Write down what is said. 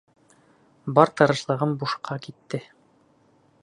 Бар тырышлығым бушҡа китте.